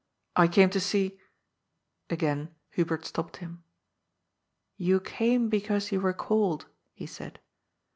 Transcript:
*^I came to see ^" Again Hubert stopped him. " You came because you were called," he said.